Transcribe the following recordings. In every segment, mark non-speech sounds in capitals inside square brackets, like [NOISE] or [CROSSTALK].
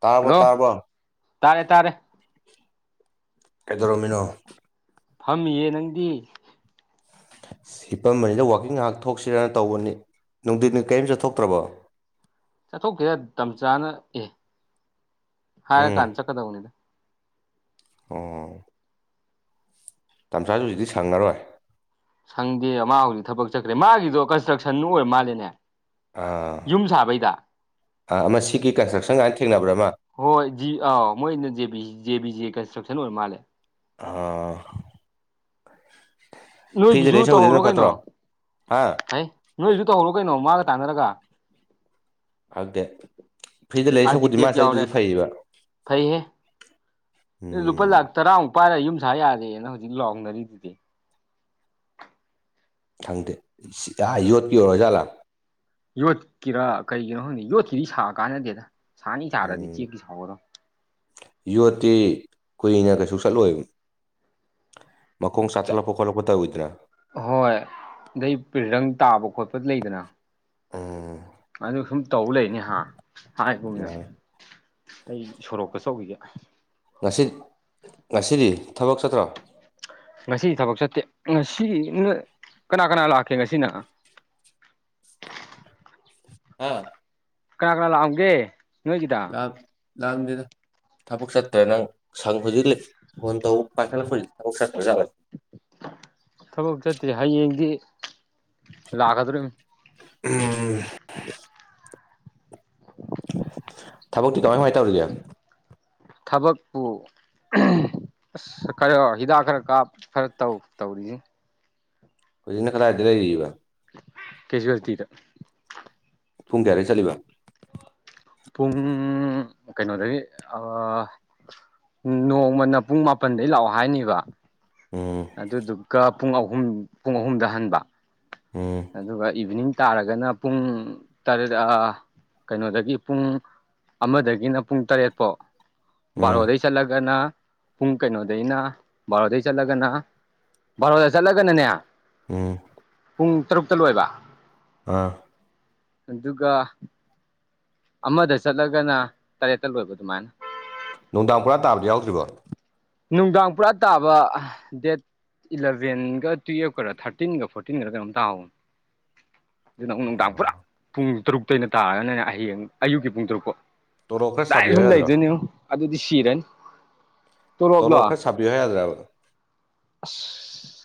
ꯇꯥꯔꯕꯣ ꯍꯜꯂꯣ ꯇꯥꯔꯕꯣ ꯇꯥꯔꯦ ꯇꯥꯔꯦ ꯀꯩꯗꯧꯔꯝꯃꯤꯅꯣ ꯐꯝꯃꯤꯌꯦ ꯅꯪꯗꯤ ꯁꯤꯄꯝꯕꯅꯤꯗ ꯋꯥꯋꯥꯛꯀꯤꯡ ꯉꯥꯏꯍꯥꯛ ꯊꯣꯛꯁꯤꯔꯅ ꯇꯧꯕꯅꯤ ꯅꯨꯡꯊꯠꯅ ꯀꯔꯤꯝ ꯆꯠꯊꯣꯛꯇ꯭ꯔꯕꯣ ꯆꯠꯊꯣꯛꯈꯤꯔ ꯇꯆꯥꯥꯅ ꯑꯦ ꯎꯝ ꯍꯥꯏꯔꯀꯥꯟꯗ ꯆꯠꯀꯗꯕꯅꯤꯗ ꯑꯣ ꯇꯁꯥꯁꯨ ꯍꯧꯖꯤꯛꯇꯤ ꯁꯪꯉꯔꯣꯏ ꯁꯪꯗꯦ ꯃꯥ ꯍꯧꯖꯤꯛ ꯊꯕꯛ ꯆꯠꯈ꯭ꯔꯦ ꯃꯥꯒꯤꯗꯣ ꯀꯟꯁꯇ꯭ꯔꯛꯁꯟ ꯑꯣꯏꯔ ꯃꯥꯜꯂꯦꯅꯦ ꯑꯥ ꯌꯨꯝ ꯁꯥꯕꯩꯗ ꯑꯥ ꯑꯃ ꯁꯤꯒꯤ ꯀꯟꯁꯇ꯭ꯔꯛꯁꯟ ꯀꯥꯏꯅ ꯊꯦꯡꯅꯕ꯭ꯔꯥ ꯑꯃ ꯍꯣꯏ ꯖꯤ ꯑꯥꯎ ꯃꯣꯏꯅ ꯖꯤꯕꯤ ꯑ ꯕꯤ ꯖꯦ ꯀꯟꯁꯇ꯭ꯔꯛꯁꯟ ꯑꯣꯏꯔ ꯃꯥꯂꯦ ꯑꯥ ꯐ꯭ꯔꯤꯗ ꯅꯣꯏꯒꯤꯁꯨ ꯂꯩ ꯁꯔꯨꯛꯄꯨꯗꯤ ꯇꯧꯍꯧꯔꯣ ꯑꯗꯨꯅ ꯀꯩꯅꯣ ꯐꯠꯇ꯭ꯔꯣ ꯍꯥ ꯍ ꯅꯣꯏꯁꯨ ꯇꯧꯍꯧꯔꯣ ꯀꯩꯅꯣ ꯃꯥꯒ ꯇꯥꯟꯅꯔ ꯀ ꯑꯇꯦ ꯐ꯭ꯔꯤꯗ ꯂꯩꯔꯤ ꯁꯄꯨꯗꯤ ꯑꯥꯔꯀꯤꯇꯦꯛ ꯃꯥꯁ ꯌꯥꯎꯔꯦ ꯑꯩꯗꯨꯁꯨ ꯐꯩꯌꯦꯕ ꯐꯩꯍꯦ ꯂꯨꯄꯥ ꯎꯝ ꯂꯥꯛ ꯇꯔꯥꯃꯨꯛ ꯄꯥꯏꯔ ꯌꯨꯝꯁꯥ ꯌꯥꯔꯦꯅ ꯍꯧꯖꯤꯛ ꯂꯥꯎꯅꯔꯤꯗꯨꯗꯤ ꯊꯪꯗꯦ ꯑ ꯌꯣꯠ ꯄꯤ ꯑꯣꯏꯔꯣꯏꯖꯂ ꯌꯣꯠꯀꯤꯔꯥ ꯀꯔꯤꯒꯤꯅꯣ ꯈꯪꯗꯦ ꯌꯣꯠꯀꯤꯗꯤ ꯁꯥꯛ ꯀꯥꯟꯅꯗꯦꯗ ꯁꯥꯅꯤ ꯁꯥꯔꯗꯤ ꯎꯝ ꯆꯦꯛꯀꯤ ꯁꯥꯍꯧꯒꯗꯧꯅꯤ ꯌ ꯇ ꯀꯨꯏꯅ ꯀꯩꯁꯨ ꯆꯠꯂꯣꯏꯕ ꯃꯈꯣꯡ ꯆꯠ ꯆꯥꯊꯠꯂꯛꯄ ꯈꯣꯠꯂꯛꯄ ꯇꯧꯋꯏꯗꯅ ꯍꯣꯏ ꯑꯗꯩ ꯄꯔꯪ ꯇꯥꯕ ꯈꯣꯠꯄ ꯂꯩꯗꯅ ꯑꯝ ꯑꯗꯨ ꯁꯨꯝ ꯇꯧꯕ ꯂꯩꯅꯤ ꯍꯥ ꯍꯥꯏꯒꯨꯝꯅ ꯑꯩ ꯁꯣꯔꯣꯛꯀꯆꯧꯤꯒꯦ ꯉꯁꯤ ꯉꯁꯤꯗꯤ ꯊꯕꯛ ꯆꯠꯇ꯭ꯔꯣ ꯉꯁꯤ ꯊꯕꯛ ꯆꯠꯇꯦ ꯉꯁꯤ ꯀꯅꯥ ꯀꯅꯥ ꯂꯥꯛꯀꯦ ꯉꯁꯤꯅ [UNINTELLIGIBLE] ꯍꯥ ꯀꯅꯥ ꯀꯅꯥ ꯂꯥꯛꯑꯝꯒꯦ ꯅꯣꯏꯒꯤꯗ ꯂꯝꯗꯗ ꯊꯕꯛ ꯆꯠꯇ꯭ꯔꯦ ꯅꯪ ꯁꯪ ꯍꯧꯖꯤꯛ ꯐꯣꯟ ꯇꯧꯕ ꯄꯥꯏꯈꯠꯂꯄ ꯅꯕꯣꯛ ꯆꯠꯈꯔ ꯊꯕꯛ ꯆꯠꯇ꯭ꯔꯤ ꯍꯌꯦꯡꯗꯤ ꯂꯥꯛꯀꯗꯧꯔꯤꯕ ꯎꯝ ꯊꯕꯛꯇꯤ ꯀꯃꯥꯏ ꯀꯃꯥꯏꯅ ꯇꯧꯔꯤꯒꯦ ꯊꯕꯛꯄꯨ ꯑꯁ ꯈꯔ ꯍꯤꯗꯥꯛ ꯈꯔ ꯀꯥꯞ ꯈꯔ ꯇꯧ ꯇꯧꯔꯤꯁꯤꯦ ꯀꯣꯏꯅ ꯈꯔꯖ ꯂꯩꯔꯤꯕ ꯀꯩꯁꯨꯒꯗꯤꯗ ꯄꯨꯡ ꯀꯌꯥꯗꯒꯤꯩ ꯆꯠꯂꯤꯕ ꯄꯨꯡ ꯀꯩꯅꯣꯗꯒꯤ ꯎꯝ ꯅꯣꯡꯃꯅ ꯄꯨꯡ ꯃꯥꯄꯜꯗꯩ ꯂꯥꯛꯑꯣ ꯍꯥꯏꯅꯤꯕ ꯎꯝ ꯑꯗꯨꯗꯨꯒ ꯄꯨꯡ ꯑꯍꯨꯝ ꯄꯨꯡ ꯑꯍꯨꯝꯗ ꯍꯟꯕ ꯎꯝ ꯑꯗꯨꯒ ꯏꯚꯅꯤꯡ ꯇꯥꯔꯒꯅ ꯄꯨꯡ ꯇꯔꯦꯠ ꯀꯩꯅꯣꯗꯒꯤ ꯄꯨꯡ ꯑꯃꯗꯒꯤꯅ ꯄꯨꯡ ꯇꯔꯦꯠ ꯐꯥꯎ ꯎꯝ ꯕꯥꯔꯣꯗꯒꯤꯩ ꯆꯠꯂꯒꯅ ꯄꯨꯡ ꯀꯩꯅꯣꯗꯒꯤꯩꯅ ꯕꯥꯔꯣꯗꯩ ꯆꯠꯂꯒꯅ ꯕꯥꯔꯣꯗ ꯆꯠꯂꯒꯅꯅꯦ ꯎꯝ ꯄꯨꯡ ꯇꯔꯨꯛꯇ ꯂꯣꯏꯕ ꯑꯥ ꯑꯗꯨꯒ ꯑꯃꯗ ꯆꯠꯂꯒꯅ ꯇꯔꯦꯠꯇ ꯂꯣꯏꯕ ꯑꯗꯨꯃꯥꯏꯅ ꯅꯨꯡꯗꯥꯡ ꯄꯨꯔꯥ ꯇꯥꯕꯗꯤ ꯌꯥꯎꯗ꯭ꯔꯤꯕꯣ ꯅꯨꯡꯗꯥꯡ ꯄꯨꯔꯥ ꯇꯥꯕ ꯗꯦꯠ ꯏꯂꯚꯦꯟꯒ ꯇꯨꯌꯦꯜꯞꯀꯔꯥ ꯊꯥꯔꯇꯤꯟꯒ ꯐꯣꯔꯇꯤꯟꯒꯔ ꯀꯩꯅꯣꯝ ꯇꯥꯍꯧ [UNINTELLIGIBLE] ꯑꯗꯨ ꯅ ꯑꯃꯨꯛ ꯅꯨꯡꯗꯥꯡ ꯄꯨꯔꯥ ꯄꯨꯡ ꯇꯔꯨꯛꯇꯇꯩꯩꯅ ꯇꯥꯔꯒꯅꯦꯅꯦ ꯍꯌꯦꯡ ꯑꯌꯨꯛꯀꯤ ꯄꯨꯡ ꯇꯔꯨꯛꯄ ꯇꯣꯂꯣꯞ ꯈꯔ ꯂꯥꯏ ꯁꯥꯕꯤꯌꯨ ꯁꯨꯝ ꯌꯥꯗ꯭ꯔꯣ ꯂꯩꯗꯣꯏꯅꯤ ꯑꯗꯨꯗꯤ ꯁꯤꯔꯅꯤ ꯇꯣꯂꯣꯞ ꯇꯂꯕꯂ ꯈꯔ ꯁꯥꯕꯤꯌꯨ ꯌꯥꯗ꯭ꯔꯕ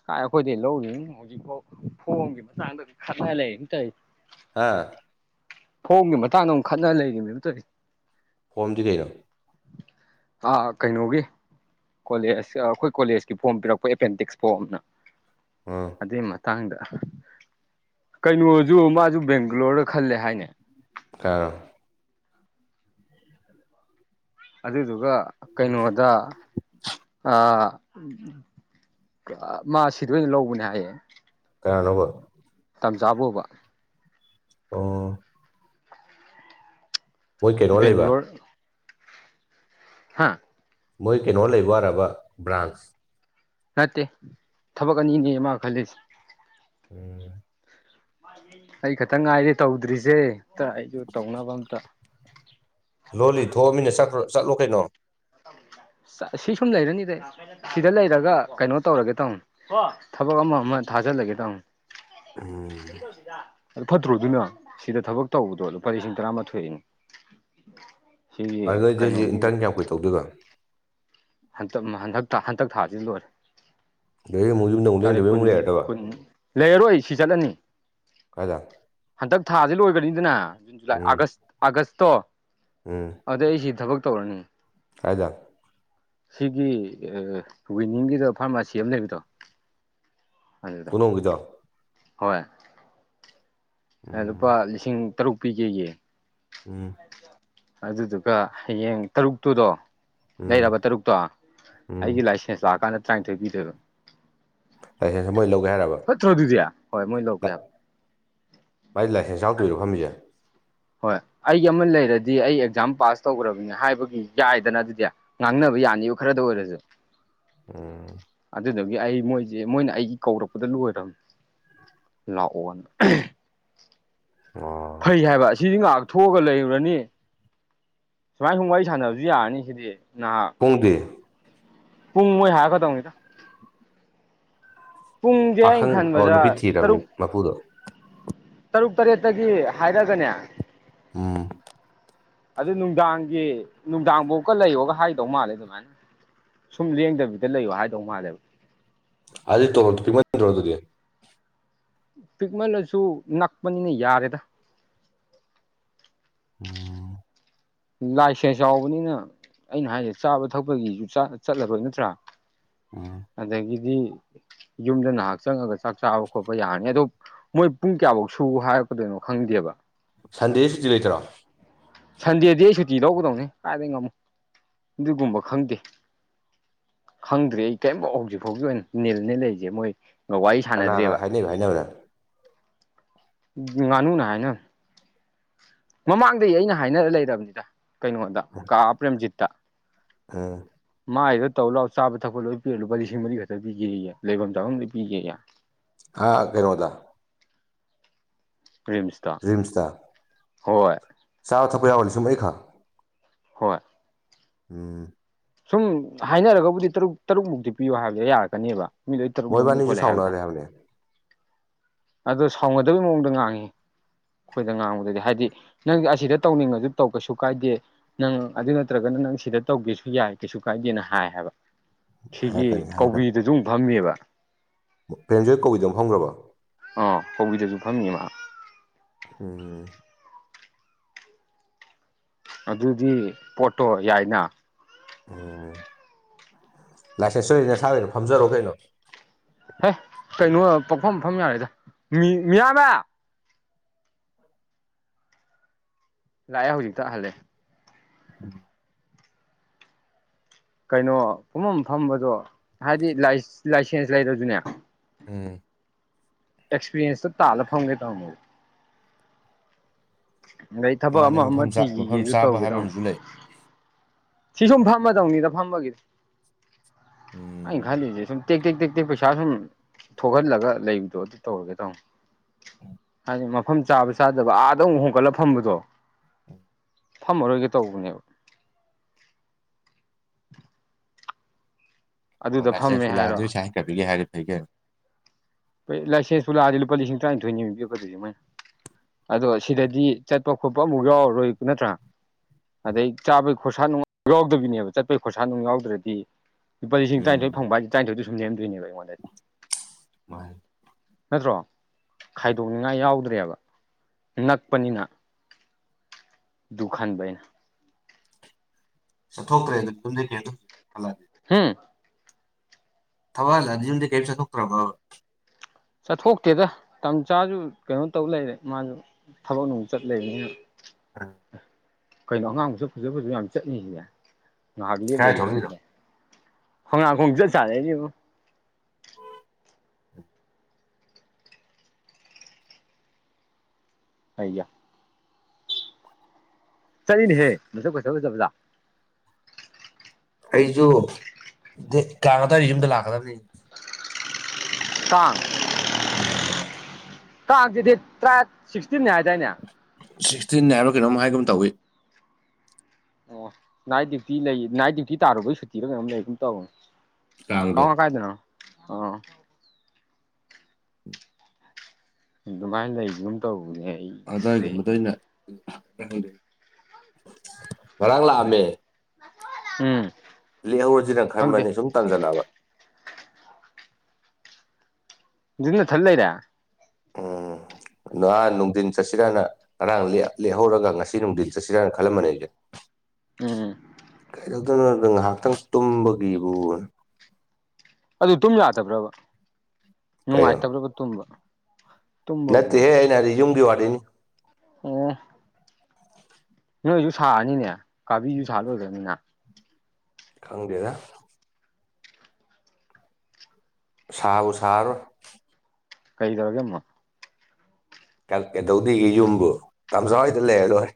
ꯀꯥꯏ ꯑꯩꯈꯣꯏꯗꯩ ꯂꯧꯔꯤ ꯍꯧꯖꯤꯛꯐꯥꯎ ꯐꯣꯡꯝꯒꯤ ꯃꯇꯥꯡꯗꯗꯤ ꯈꯠꯅ ꯂꯩ ꯇꯧ ꯍꯥꯥ ꯐꯣꯝꯒꯤ ꯃꯇꯥꯡꯗ ꯑꯃꯨꯛ ꯈꯠꯅ ꯂꯩꯔꯤꯅꯦꯕ ꯇꯧꯔꯤ ꯐꯣꯝꯗꯤ ꯀꯩꯅꯣ ꯑꯥ ꯀꯩꯅꯣꯒꯤ ꯀꯣꯂꯦꯖ ꯑꯩꯈꯣꯏ ꯀꯣꯂꯦꯖꯀꯤ ꯐꯣꯝ ꯄꯤꯔꯛꯄ ꯑꯦꯄꯦꯟꯗꯤꯛꯁ ꯐꯣꯝꯅ ꯎꯝ ꯑꯗꯨꯏ ꯃꯇꯥꯡꯗ ꯀꯩꯅꯣꯁꯨ ꯃꯥꯁꯨ ꯕꯦꯡꯒꯂꯣꯔꯗ ꯈꯜꯂꯦ ꯍꯥꯏꯅꯦ ꯀꯔꯣ ꯑꯗꯨꯗꯨꯒ ꯀꯩꯅꯣꯗ ꯑ ꯎ ꯃꯥ ꯁꯤꯗ ꯑꯣꯏꯅ ꯂꯧꯕꯅꯦ ꯍꯥꯏꯌꯦꯦ ꯌꯥꯅꯕ ꯇꯥꯟꯖꯥ ꯄꯕ ꯑꯣ ꯃꯣꯏ ꯀꯩꯅꯣ ꯂꯩꯕ ꯍꯥꯥ ꯃꯣꯏ ꯀꯩꯅꯣ ꯂꯩꯕ ꯑꯔꯕ ꯕ꯭ꯔꯥꯟꯁ ꯅꯠꯇꯦ ꯊꯕꯛ ꯑꯅꯤꯅꯦ ꯃꯥ ꯈꯜꯂꯤꯁꯦ ꯎꯝ ꯑꯩ ꯈꯇꯪ ꯉꯥꯏꯗꯤ ꯇꯧꯗ꯭ꯔꯤꯁꯦ ꯑꯝꯇ ꯑꯩꯁꯨ ꯇꯧꯅꯕ ꯑꯝꯇ ꯂꯣꯜꯂꯤ ꯊꯣꯛꯑꯃꯤꯅꯄ꯭ꯔ ꯆꯠꯂꯣ ꯀꯩꯅꯣ ꯁꯤ ꯁꯨꯝ ꯂꯩꯔꯅꯤꯗ ꯁꯤꯗ ꯂꯩꯔꯒ ꯀꯩꯅꯣ ꯇꯧꯔꯒꯦ ꯇꯥꯃꯅꯤ ꯊꯕꯛ ꯑꯃ ꯑꯃ ꯊ ꯀꯖ ꯂꯩꯒꯦ ꯇ ꯎꯝ ꯑꯗꯨ ꯐꯠꯇ꯭ꯔꯣꯗꯨꯅ ꯁꯤꯗ ꯊꯕꯛ ꯇꯧꯕꯗꯣ ꯂꯨꯄꯥ ꯂꯤꯁꯤꯡ ꯇꯔꯥꯃꯥꯊꯣꯏꯅꯤ ꯁꯤꯒꯤ ꯑꯗꯨ ꯅꯣꯏꯗꯤ ꯍꯧꯖꯤꯛ ꯀꯩꯅꯣꯒꯤ ꯏꯟꯇꯔꯟ ꯀꯌꯥꯝ ꯀꯨꯏ ꯇꯧꯗꯣꯏꯕ ꯟꯛ ꯍꯟꯗꯛ ꯍꯟꯇꯛ ꯊꯥꯁꯤ ꯂꯣꯏꯔꯦ ꯑꯗꯩ ꯑꯃꯨꯛꯁꯨ ꯅꯧ ꯇꯥꯔꯤꯛ ꯂꯦꯡꯗꯕ ꯑꯃꯨꯛ ꯀꯨꯟ ꯂꯩꯔꯗꯕ ꯀꯨꯟ ꯂꯩꯔꯔꯣꯏ ꯁꯤ ꯆꯠꯂꯅꯤ ꯀꯗꯥ ꯍꯟꯗꯛ ꯊꯥꯁꯦ ꯂꯣꯏꯒꯅꯤꯗꯅ ꯖꯨꯟ ꯖꯨꯂꯥꯏ ꯑꯥꯒꯁ ꯑꯥꯒꯁꯇꯣ ꯑꯗꯨꯗꯩ ꯑꯩꯁꯤ ꯊꯕꯛ ꯇꯣꯔꯅꯤ ꯐꯥꯏꯖ ꯁꯤꯒꯤ ꯋꯤꯅꯤꯡꯒꯤꯗꯣ ꯐꯥꯔꯃꯥꯁꯤ ꯑꯃ ꯂꯩꯕꯗ꯭ꯔꯣ ꯄꯨꯅꯣꯖ ꯍꯣꯏ ꯎꯝ ꯂꯨꯄꯥ ꯂꯤꯁꯤꯡ ꯇꯔꯨꯛ ꯄꯤ ꯀꯦꯒꯤ ꯎꯝ ꯑꯗꯨꯗꯨꯒ ꯍꯌꯦꯡ ꯇꯔꯨꯛꯇꯨꯗꯣ ꯎꯝ ꯂꯩꯔꯕ ꯇꯔꯨꯛꯇꯣ ꯎꯝ ꯑꯩꯒꯤ ꯂꯥꯏꯁꯦꯟꯁ ꯂꯥꯛꯑꯀꯥꯟꯗ ꯇꯔꯥꯅꯤꯊꯣꯏ ꯄꯤꯗꯣꯏꯕ ꯑ ꯃꯣꯏ ꯍꯥꯏꯔꯕ ꯐꯠꯇ꯭ꯔꯣ ꯑꯗꯨꯗꯤ ꯍꯣꯏ ꯃꯣꯏ ꯂꯧꯒꯦ ꯍꯥꯏꯕ ꯃ ꯂꯥꯏꯁꯦꯟꯁ ꯌꯥꯗꯣꯏꯔꯣ ꯐꯝꯃꯤꯁꯦ ꯍꯣꯏ ꯑꯩ ꯑꯃ ꯂꯩꯔꯗꯤ ꯑꯩ ꯑꯦꯛꯖꯥꯝ ꯄꯥꯁ ꯇꯧꯈ꯭ꯔꯕꯅꯦ ꯍꯥꯏꯕꯒꯤ ꯌꯥꯏꯗꯅ ꯑꯗꯨꯗꯤ ꯉꯥꯡꯅꯕ ꯌꯥꯅꯤꯕ ꯈꯔꯗ ꯑꯣꯏꯔꯁꯨꯦ ꯎꯝ ꯑꯗꯨꯗꯒꯤ ꯑꯩ ꯃꯣꯏꯁꯦ ꯃꯣꯏꯅ ꯑꯩꯒꯤ ꯀꯧꯔꯛꯄꯗ ꯂꯣꯏꯔꯝꯅꯦ ꯂꯥꯛꯑꯣ ꯋꯥ ꯑꯣ ꯐꯩ ꯍꯥꯏꯕ ꯑꯁꯤꯗꯤ ꯉꯥꯏꯍꯥꯛ ꯊꯣꯛꯑꯒ ꯂꯩꯔꯨꯔꯅꯤ ꯁꯨꯃꯥꯏ ꯁꯨꯝ ꯋꯥꯔꯤ ꯁꯥꯟꯅꯕꯁꯨ ꯌꯥꯔꯅꯤ ꯁꯤꯗꯤ ꯅꯍꯥꯛ ꯄꯨꯡꯗꯦ ꯄꯨꯡ ꯃꯣꯏ ꯍꯥꯏꯀꯗꯧꯅꯤꯗ ꯑꯩꯅ ꯄꯥꯈꯪ ꯑꯣ ꯈꯟꯕꯗ ꯅꯨꯄꯤ ꯊꯤꯔꯕꯅꯤ ꯇꯔꯨꯛ ꯃꯄꯨꯗꯣ ꯇꯔꯨꯛ ꯇꯔꯦꯠꯇꯒꯤ ꯍꯥꯏꯔꯒꯅꯦ ꯎꯝ ꯑꯗꯨ ꯅꯨꯡꯗꯥꯡꯒꯤ ꯅꯨꯡꯗꯥꯡꯐꯧꯀ ꯂꯩꯌꯣꯒ ꯍꯥꯏꯦ ꯍꯥꯏꯗꯧ ꯃꯥꯜꯂꯦ ꯑꯗꯨꯃꯥꯏꯅ ꯁꯨꯝ ꯂꯦꯡꯗꯕꯤꯗ ꯂꯩꯌꯣ ꯍꯥꯏꯗꯧ ꯃꯥꯜꯂꯦꯕ ꯑꯒꯤ ꯇꯂ ꯇ ꯀꯃꯗꯔꯗꯨꯔꯤ ꯄꯤꯛꯃꯜꯂꯁꯨ ꯅꯛꯄꯅꯤꯅ ꯌꯥꯔꯦꯗ ꯎꯝ ꯂꯥꯏꯁꯦꯟꯁ ꯌꯥꯎꯕꯅꯤꯅ ꯑꯩꯅ ꯍꯥꯏꯁꯦ ꯆꯥꯕ ꯊꯛꯄꯒꯤꯁꯨ ꯆꯠꯂꯔꯣꯏ ꯅꯠꯇ꯭ꯔꯥ ꯎꯝ ꯑꯗꯒꯤ ꯗꯤ ꯌꯨꯝꯗ ꯉꯍꯥꯛ ꯆꯪꯉꯒ ꯆꯥꯛ ꯆꯥꯕ ꯈꯣꯠꯄ ꯌꯥꯔꯅꯤ ꯑꯗꯣ ꯃꯣꯏ ꯄꯨꯡ ꯀꯌꯥꯐꯧ ꯁꯨ ꯍꯥꯏ ꯆꯠꯄꯗꯣꯏꯩꯅꯣ ꯈꯪꯗꯦꯕ ꯁꯟꯗꯦꯁꯤꯗꯤ ꯂꯩꯇꯔꯣ ꯁꯟꯗꯦꯗꯤ ꯑꯩ ꯁꯨꯇꯤ ꯂꯧꯒꯗꯧꯅꯦ ꯀꯥꯏꯗꯒꯤꯩ ꯉꯝꯃꯨ ꯑꯗꯨꯒꯨꯝꯕ ꯈꯪꯗꯦ ꯈꯪꯗ꯭ꯔꯤ ꯑꯩ ꯀꯔꯤꯝꯐꯥꯎ ꯍꯧꯖꯤꯛ ꯐꯥꯎꯒꯤ ꯑꯣꯏꯅ ꯅꯤꯜꯅꯦ ꯂꯩꯔꯤꯁꯦ ꯃꯣꯏ ꯋꯥꯔꯤ ꯀꯅꯥ ꯀꯅꯥ ꯁꯥꯟꯅꯗ꯭ꯔꯦꯕ ꯍꯥꯏꯅꯩꯕ ꯍꯥꯏꯅꯕꯅ ꯉꯥꯅꯨꯅ ꯍꯥꯏꯅꯣ ꯃꯃꯥꯡꯗꯒꯤꯩ ꯑꯩꯅ ꯍꯥꯏꯅ ꯂꯩꯔꯕꯅꯤꯗ ꯀꯩꯅꯣꯗ ꯀꯥ ꯄ꯭ꯔꯦꯝꯖꯤꯠꯇ ꯑꯥ ꯃꯥꯥꯏꯗ ꯇꯧꯔ ꯂꯥꯛꯑꯣ ꯆꯥꯕ ꯊꯛꯄ ꯂꯣꯏ ꯄꯤꯔꯦ ꯂꯨꯄꯥ ꯂꯤꯁꯤꯡ ꯃꯔꯤ ꯈꯛꯇ ꯄꯤꯒꯦꯒꯦ ꯂꯩꯐꯝ ꯆꯥꯐꯝ ꯂꯣꯏ ꯄꯤꯒꯦ ꯍꯥꯥ ꯐꯔꯣꯗ ꯔꯤꯝꯁꯇ ꯍꯣꯏ ꯆꯥ ꯊꯛꯄ ꯌꯥꯎꯕꯂꯤ ꯁꯨꯝ ꯑꯩ ꯈꯥ ꯍꯣꯏ ꯑꯝ ꯁꯨꯝ ꯍꯥꯏꯅꯔꯒꯕꯨꯗꯤ ꯇꯔꯨꯛ ꯇꯔꯨꯛꯃꯨꯛꯇꯤ ꯄꯤꯌꯣ ꯍꯥꯏꯕꯗ ꯌꯥꯔꯛꯀꯅꯦꯕ ꯃꯤ ꯂꯩ ꯏꯇꯔ ꯂꯅꯤ ꯃꯣꯏꯕꯥꯅꯤꯁꯨ ꯈꯣꯂ ꯍꯥꯏꯕꯗ ꯁꯥꯎꯅꯔꯦ ꯍꯥꯏꯕꯅꯦ ꯑꯣ ꯁꯥꯎꯅꯗꯕꯩ ꯃꯑꯣꯡꯗ ꯉꯥꯡꯉꯤ ꯑꯩꯈꯣꯏꯗ ꯉꯥꯡꯕꯗꯗꯤ ꯍꯥꯏꯗꯤ ꯅꯪ ꯑꯁꯤꯗ ꯇꯧꯅꯤꯡꯉꯁꯨ ꯇꯧ ꯀꯩꯁꯨ ꯀꯥꯏꯗꯦ ꯅꯪ ꯑꯗꯨ ꯅꯠꯇ꯭ꯔꯒ ꯅꯪ ꯁꯤꯗ ꯇꯧꯒꯦꯁꯨ ꯌꯥꯏ ꯀꯩꯁꯨ ꯀꯥꯏꯗꯦꯅ ꯍꯥꯏ ꯍꯥꯏꯕ ꯁꯤꯒꯤ ꯍꯥꯏꯔꯛꯀꯅꯤ ꯍꯥꯏꯔꯛꯀꯅꯤ ꯀꯧꯕꯤꯗꯨꯁꯨ ꯑꯃꯨꯛ ꯐꯝꯃꯤꯕ ꯄ꯭ꯔꯦꯝꯖꯣꯏ ꯀꯧꯏꯗ ꯐꯪꯈ꯭ꯔꯕ ꯑꯥ ꯍꯧꯕꯤꯗꯁꯨ ꯐꯝꯃꯤ ꯃꯥ ꯍꯝ ꯑꯗꯨꯗꯤ ꯄꯣꯠꯇꯣ ꯌꯥꯏꯅ ꯎꯝ ꯂꯥꯏꯁꯦꯟꯁ ꯁꯗ ꯅꯁꯥꯈꯅꯣ ꯐꯝꯖꯔꯣ ꯀꯩꯅꯣ ꯍꯦ ꯀꯩꯅꯣ ꯄꯣꯛꯐꯝ ꯃꯐꯝ ꯌꯥꯔꯦꯗ ꯃꯤꯌꯥꯝꯃꯦ ꯂꯥꯛꯑꯦ ꯍꯧꯖꯤꯛꯇꯛꯇ ꯍꯂꯦ ꯎꯝ ꯀꯩꯅꯣ ꯐꯨꯝꯐꯝ ꯐꯝꯕꯗꯣ ꯍꯥꯏꯗꯤ ꯂꯥꯏꯁꯦꯟꯁ ꯂꯩꯔꯁꯨꯅꯦ ꯎꯝ ꯑꯦꯛꯁꯄꯤꯔꯤꯌꯦꯟꯁ ꯇꯥꯂ ꯐꯪꯒꯦ ꯀꯃ ꯑꯗꯩ ꯊꯕꯛ ꯃꯥꯅꯦ ꯑꯃ ꯑꯃ ꯃꯐꯝ ꯃꯐꯝ ꯊꯤꯈꯤꯒꯦꯁꯨ ꯆꯥꯕ ꯇꯧꯒꯦ ꯍꯥꯏꯕ ꯇꯃ ꯑꯃꯁꯨ ꯂꯩ ꯁꯤ ꯁꯨꯝ ꯐꯝꯃꯗꯧꯅꯤꯗ ꯐꯝꯕꯒꯤꯗ ꯑꯩꯅ ꯎꯝ ꯈꯜꯂꯤꯁꯦ ꯁꯨꯝ ꯇꯦꯛ ꯇꯦꯛ ꯇꯦꯛ ꯇꯦꯛ ꯄꯩꯁꯥ ꯁꯨꯝ ꯊꯣꯛꯍꯜꯂꯒ ꯂꯩꯕꯗꯣ ꯑꯗꯨ ꯇꯧꯔꯒꯦ ꯇꯧꯅꯤ ꯍꯥꯏꯗꯤ ꯃꯐꯝ ꯆꯥꯕ ꯆꯥꯗꯕ ꯑꯥꯗ ꯑꯃꯨꯛ ꯍꯣꯡꯀꯠꯂ ꯐꯝꯕꯗꯣ ꯊꯝꯃꯔꯣꯏꯒꯦ ꯇꯧꯕꯅꯦꯕ ꯑꯣꯏ ꯑꯗꯨꯗ ꯐꯝꯃꯦ ꯅꯆꯦꯡꯁꯨ ꯍꯥꯏꯔꯣ ꯂꯥꯛꯑꯣꯏ ꯁ ꯍꯥꯏ ꯀꯕꯤꯒꯦ ꯍꯥꯏꯔꯗꯤ ꯐꯩꯒꯦ ꯂꯥꯏꯁꯦꯟꯁꯁꯨ ꯂꯥꯗ ꯂꯨꯄꯥ ꯂꯤꯁꯤꯡ ꯇꯔ ꯊ ꯀ ꯑꯗꯣ ꯁꯤꯗꯗꯤ ꯆꯠꯄ ꯈꯣꯠꯄ ꯑꯃꯨꯛ ꯌꯥꯎꯔꯔꯣꯏ ꯅꯠꯇ꯭ꯔꯥ ꯑꯗꯩ ꯆꯥꯕꯩ ꯈꯣꯔꯁꯥ ꯅꯨꯡ ꯌꯥꯎꯗꯕꯤꯅꯦꯕ ꯆꯠꯄꯩ ꯈꯣꯔꯁꯥ ꯅꯨꯡ ꯌꯥꯎꯗ꯭ꯔꯗꯤ ꯂꯨꯄꯥ ꯂꯤꯁꯤꯡ ꯎꯝ ꯇꯔꯥꯅꯤꯊꯣꯏ ꯐꯪꯕ ꯍꯥꯏꯗꯤ ꯇꯔꯥꯅꯤꯊꯣꯏꯗ ꯁꯨꯝ ꯅꯦꯝꯗꯣꯏꯅꯦꯕ ꯑꯩꯉꯣꯟꯗ ꯃꯥꯥꯏ ꯅꯠꯇ꯭ꯔꯣ ꯈꯥꯏꯗꯣꯛꯅꯤꯡꯉꯥꯏ ꯌꯥꯎꯗ꯭ꯔ ꯕ ꯅꯛꯄꯅꯤꯅ ꯗꯨ ꯈꯟꯕꯅ ꯆꯠꯊꯣꯛꯇ꯭ꯔꯦ ꯑꯗꯨ ꯑꯗꯨꯝꯝꯜꯂꯦ ꯍꯥꯝ ꯊꯋꯥꯜ ꯑꯗꯨꯝꯗꯤ ꯀꯩ ꯄꯩꯁꯥ ꯊꯣꯛꯈ꯭ꯔꯕ ꯆꯠꯊꯣꯛꯇꯦꯗ ꯃꯇꯝ ꯆꯥꯁꯨ ꯀꯩꯅꯣ ꯇꯧ ꯂꯩꯔꯦ ꯃꯥꯁꯨ ꯊꯕꯛ ꯅꯨꯡ ꯆꯠ ꯂꯩꯕꯅꯤꯅ [INAUDIBLE] ꯀꯩꯅꯣ ꯑꯉꯥꯡꯕꯁꯨ ꯐꯖ ꯐꯁꯨ ꯌꯥꯝ ꯆꯠꯂꯤꯁꯤꯅꯦ ꯉꯥꯏꯍꯥꯛ ꯂꯦꯞꯅ ꯀꯥꯏ ꯊꯣꯛꯂꯛꯏꯅꯣ ꯌꯔꯪꯗꯦꯅꯦ ꯍꯉ ꯈꯣꯡꯗ ꯆꯂꯦꯅꯦꯕ ꯍꯥꯏꯒ ꯆꯠꯂꯤꯅꯦꯍꯦ ꯃꯁ ꯐꯖ ꯐꯖꯕꯖꯥ ꯑꯩꯁꯨ ꯀꯇꯥꯔꯤ ꯌꯨꯝꯗ ꯂꯥꯛꯀꯗꯕꯅꯤ ꯇꯥꯡ ꯎꯝ ꯀꯥꯡꯥꯡꯁꯤꯗꯤ ꯇꯔꯥ ꯁꯤꯛꯁꯇꯤꯟꯅꯦ ꯍꯥꯏꯗꯥꯏꯅꯦ ꯁꯤꯛꯁꯇꯤꯟ ꯍꯥꯏꯔꯣ ꯀꯩꯅꯣꯝ ꯍꯥꯏꯒꯨꯝ ꯑꯃ ꯇꯧꯏꯤ ꯑꯣ ꯅꯥꯏꯠ ꯗ꯭ꯌꯨꯇꯤ ꯂꯩ ꯅꯥꯏꯠ ꯗ꯭ꯌꯨꯇꯤ ꯇꯥꯔꯨꯕꯩ ꯁꯨꯇꯤꯔ ꯀꯩꯅꯣꯝ ꯂꯩ ꯑꯗꯨꯝ ꯇꯧꯅꯤ ꯀꯥꯡꯗꯣ ꯀꯉ ꯀꯥꯏꯗꯅ ꯑ ꯑꯗꯨꯃꯥꯏꯅ ꯂꯩꯁ ꯑꯗꯨꯝ ꯇꯧ ꯑꯗꯥꯏꯒꯨꯝꯕꯗ ꯑꯩꯅ ꯉꯔꯥꯡ ꯂꯥꯛꯑꯝꯃꯦ ꯎꯝ ꯂꯦꯛꯍꯧꯔꯁꯤꯅꯪ ꯈꯪꯗꯦ ꯈꯟꯃꯅꯤ ꯁꯨꯝ ꯇꯥꯟꯖꯜꯂꯛꯑꯕ ꯑꯗꯨꯅ ꯊꯜ ꯂꯩꯔꯦ ꯑꯝ ꯅ ꯅꯨꯡꯊꯤꯟ ꯆꯠꯁꯤꯔꯥꯅ ꯉꯔꯥꯡ ꯂꯦꯛꯍꯧꯔꯒ ꯉꯁꯤ ꯅꯨꯡꯊꯤꯟ ꯆꯠꯁꯤꯔꯥꯅ ꯈꯜꯂꯝꯕꯅꯦ ꯑꯩꯁꯦ ꯎꯝ ꯀꯩꯗꯧꯗꯣꯏꯅꯣ ꯉꯥꯏꯍꯥꯛꯇꯪ ꯇꯨꯝꯕꯒꯤꯕꯨ ꯑꯗꯨ ꯇꯨꯝ ꯌꯥꯗꯕ꯭ꯔꯕ ꯀꯩꯅꯣ ꯅꯨꯡꯉꯥꯏꯇꯕ꯭ꯔꯕ ꯇꯨꯝꯕ ꯅꯠꯇꯦꯍꯦ ꯇꯨꯝꯕꯕꯨꯕ ꯍꯥꯏꯅ ꯍꯥꯏꯗꯤ ꯌꯨꯝꯒꯤ ꯋꯥꯔꯤꯅꯤ ꯑꯣ ꯅꯣꯏꯁꯨ ꯁꯥꯛꯑꯅꯤꯅꯦ ꯀꯥꯕꯤꯁꯨ ꯁꯥꯠꯂꯣꯏꯗꯅꯤꯅ ꯈꯪꯗꯦꯗ ꯁꯥ ꯎꯁꯥꯔꯣꯢ ꯀꯩ ꯇꯧꯔꯒꯃ ꯀꯩꯗꯧꯒꯤ ꯌꯨꯝꯕꯨ ꯀꯝꯖꯥꯎ ꯍꯣꯏꯗ ꯂꯩꯔ ꯂꯣꯏꯔꯦ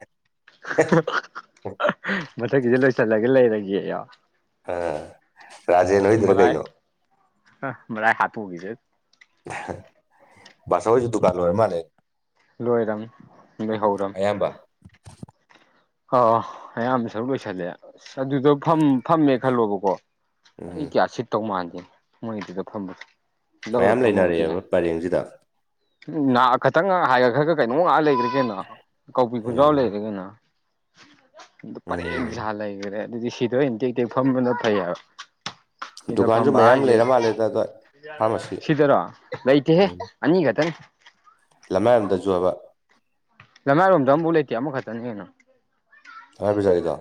ꯃꯊꯛꯀꯤꯁꯦ ꯂꯣꯏꯁꯤꯜꯂꯒ ꯂꯩꯔꯒꯦ ꯑ ꯔꯥꯖꯦꯟ ꯍꯣꯢꯗ꯭ꯔꯣ ꯀꯩꯅꯣ ꯃꯗꯥ ꯍꯥꯊ ꯎꯕꯤꯖꯦ ꯁ ꯍꯁꯨ ꯑꯗꯨ ꯀꯂ ꯑꯣꯏꯔ ꯃꯅꯤ ꯂꯣꯏꯔꯝ ꯂꯩꯏꯍꯧꯔꯝ ꯑꯌꯥꯝꯕ ꯑ ꯑꯌꯥꯝꯕ ꯁꯔꯨꯛ ꯂꯣꯏꯁꯜꯂꯦ ꯑꯁ ꯑꯗꯨꯗ ꯐꯝꯃꯦ ꯈꯜꯂꯣꯕꯀꯣ ꯑꯩ ꯎꯝ ꯀꯌꯥ ꯁꯤꯠꯠꯇꯧ ꯃꯥꯟꯒꯦꯅꯦ ꯃꯣꯏꯒꯤꯗꯨꯗ ꯐꯝꯕꯁꯦ ꯃꯌꯥꯝ ꯂꯩꯅꯔꯛꯑꯦꯕ ꯄꯔꯦꯡꯁꯤꯗ ꯍ ꯈꯇꯪ ꯉ ꯍꯥꯏ ꯈ ꯈ꯭ꯔ ꯈ ꯀꯩꯅꯣꯝ ꯉꯥꯏꯍꯥꯛ ꯂꯩꯈ꯭ꯔꯒꯦꯅ ꯀꯧꯕꯤ ꯈꯨꯟꯖꯥꯎ ꯎꯝ ꯂꯩꯔꯒꯦꯅ ꯑꯗꯨ ꯄꯔꯦꯡ ꯎꯝ ꯁꯥꯥ ꯂꯩꯈ꯭ꯔꯦ ꯑꯗꯨꯗꯤ ꯁꯤꯗ ꯑ ꯏ ꯇꯦꯛ ꯏ ꯇꯦꯛ ꯐꯝꯕꯅ ꯐꯩꯑꯕ ꯗꯨꯀꯥꯟꯁꯨ ꯃꯌꯥꯝ ꯂꯩꯔ ꯃꯥꯜꯂꯦꯗꯗ ꯁꯤꯗꯔꯣ ꯂꯩꯇꯦꯍꯦ ꯑꯅꯤꯒꯇꯅꯤ ꯂꯝꯃꯥꯏꯔꯝꯗꯁꯨꯨꯑꯕ ꯂꯩꯃꯥꯏꯔꯣꯝꯗ ꯑꯃꯐꯥꯎ ꯂꯩꯇꯦ ꯑꯃꯈꯛꯇꯅꯤꯅ ꯍꯥꯏ ꯄꯤ ꯆꯔꯤꯗ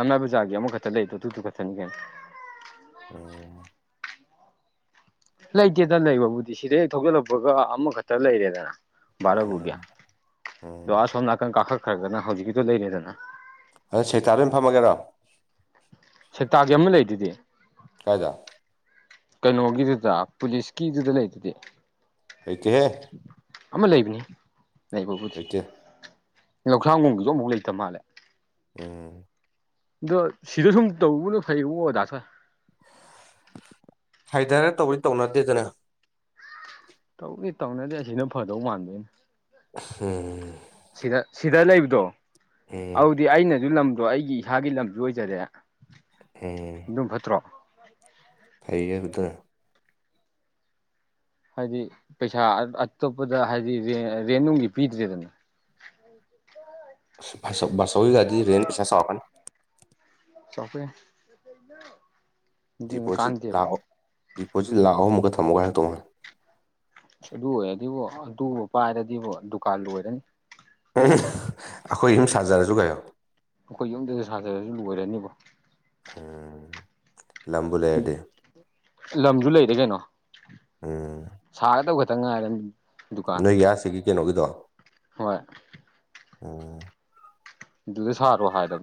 ꯂꯝꯂꯥꯏ ꯕꯖꯥꯔꯒꯤ ꯑꯃꯈꯛꯇ ꯂꯩꯗꯣ ꯑꯗꯨꯗꯨꯨ ꯈꯛꯇꯅꯤ ꯀꯦ ꯑ ꯂꯩꯇꯦꯇ ꯂꯩꯕꯕꯨꯗꯤ ꯁꯤꯗꯩꯦꯛ ꯊꯧꯖꯤꯜꯂꯛꯄꯒ ꯑꯃꯈꯛꯇ ꯂꯩꯔꯦꯗꯅ ꯚꯔꯕꯨꯒꯤ ꯎꯝ ꯑꯗꯣ ꯎꯝ ꯑꯁꯣꯝ ꯅꯥꯀꯟ ꯀꯥꯈꯠꯈ꯭ꯔꯗꯅ ꯍꯧꯖꯤꯛꯀꯤꯇꯣ ꯂꯩꯔꯤꯗꯅ ꯑꯗꯣ ꯁꯦꯇ ꯂꯣꯏꯅ ꯐꯝꯃꯒꯦꯔꯣ ꯁꯦꯛꯇꯥꯒꯤ ꯑꯃ ꯂꯩꯗꯨꯗꯤ ꯀꯥꯏꯗ ꯀꯩꯅꯣꯒꯤꯗꯨꯗ ꯄꯨꯂꯤꯁꯀꯤꯗꯨꯗ ꯂꯩꯗꯨꯗꯤ ꯑꯩꯆꯍꯦ ꯑꯃ ꯂꯩꯕꯅꯤ ꯂꯩꯕꯕꯨꯗꯤ ꯂꯧꯁꯥꯡꯒꯨꯝꯒꯤꯁꯨ ꯑꯃꯨꯛ ꯂꯩꯇ ꯃꯥꯜꯂꯦ ꯎꯝ ꯑꯗꯣ ꯁꯤꯗ ꯁꯨꯝ ꯇꯧꯕꯧꯕꯅ ꯐꯩꯑꯣ ꯑꯣꯗꯥꯥꯛꯇ ꯍꯥꯏꯗꯔꯦ ꯇꯧꯔꯤ ꯇꯧꯅꯗꯦꯗꯅ ꯇꯧꯅꯗꯦ ꯑꯁꯤꯅ ꯐꯗꯧ ꯃꯥꯟꯗꯣꯏꯅꯦ ꯎꯝ ꯁꯤꯗ ꯂꯩꯕꯗꯣ ꯎꯝ ꯑꯗꯨꯗꯤ ꯑꯩꯅꯁꯨ ꯂꯝꯗꯣ ꯑꯩꯒꯤ ꯏꯁꯥꯒꯤ ꯂꯝꯁꯨ ꯑꯣꯏꯖꯔꯦ ꯑꯗꯨꯝ ꯐꯠꯇ꯭ꯔꯣ ꯍꯥꯏꯩꯦ ꯐꯗꯔ ꯍꯥꯏꯗꯤ ꯄꯩꯁꯥ ꯑꯇꯣꯞꯄꯗ ꯍꯥꯏꯗꯤ ꯔꯦꯟ ꯅꯨꯡꯒꯤ ꯄꯤꯗ꯭ꯔꯦꯗꯅ ꯍ ꯁꯋꯒꯗꯤ ꯔꯦꯦꯟ ꯄꯩꯁꯥꯁꯄꯅꯤ ꯆꯄꯦ ꯗꯤꯄꯣꯖꯤꯠ ꯂꯥꯛ ꯑꯍꯨꯝ ꯑꯃꯨꯛꯀ ꯊꯝꯃꯨꯒ ꯍꯥꯏꯥꯛ ꯇꯣꯡꯉꯅ ꯑꯗꯨ ꯑꯣꯏ ꯑꯗꯨꯕꯨ ꯑꯗꯨꯕꯨ ꯄꯥꯏꯔꯗꯤꯕꯨ ꯗꯨꯀꯥꯟ ꯂꯣꯏꯔꯅꯤ ꯑꯩꯈꯣꯏ ꯌꯨꯝ ꯁꯥꯖꯔꯁꯨ ꯀꯣ ꯑꯩꯈꯣꯏ ꯌꯨꯝꯗꯗ ꯁꯥꯖꯔꯁꯨ ꯂꯣꯏꯔꯅꯤꯕ ꯂꯕꯨ ꯂꯩꯦꯗꯤ ꯂꯝꯁꯨ ꯂꯩꯔꯦ ꯀꯩꯅꯣ ꯎꯝ ꯁꯥꯒꯗꯕ ꯈꯛꯇꯪ ꯉꯥꯏꯔ ꯅꯣꯏ ꯌꯥꯁꯤꯒꯤ ꯀꯩꯅꯣꯒꯤꯗꯣ ꯍꯣꯏ ꯎꯝ ꯑꯗꯨꯗꯨꯗꯤ ꯁꯔ ꯋꯥ ꯍꯥꯏꯗ